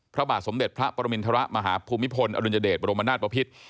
พระบาทสมเด็จพระปรมินทรมาฮภูมิพลอดุลยเดชบรมนาศปภิษ